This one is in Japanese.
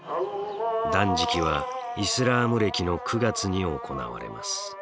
断食はイスラーム暦の９月に行われます。